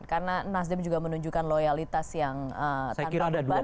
karena nasdem juga menunjukkan loyalitas yang tanpa beban mungkin kepada jokowi